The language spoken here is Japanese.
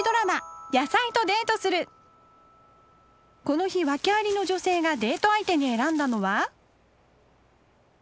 この日訳ありの女性がデート相手に選んだのは。